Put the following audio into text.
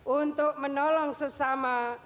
untuk menolong sesama